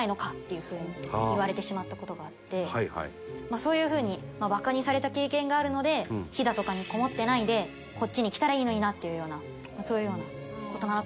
そういう風にバカにされた経験があるので飛騨とかにこもってないでこっちに来たらいいのになっていうようなそういうような事なのかなという風には思いますね。